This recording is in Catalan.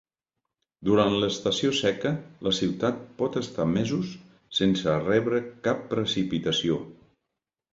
Durant l'estació seca, la ciutat pot estar mesos sense rebre cap precipitació.